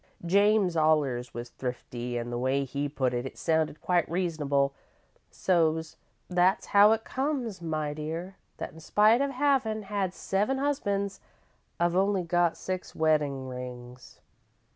James allers was thrifty, an' the way he put it, it sounded quite reasonable, so 's that's how it comes, my dear, that in spite of havin' had seven husbands, I've only got six weddin' rings.